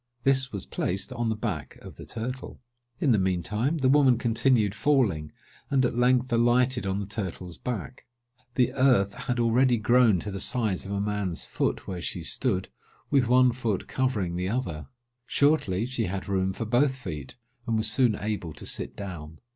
This was placed on the back of the turtle. In the mean time, the woman continued falling, and, at length, alighted on the turtle's back. The earth had already grown to the size of a man's foot, where she stood, with one foot covering the other. Shortly, she had room for both feet, and was soon able to sit down.